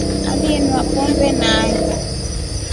Aliinwa pombe nai.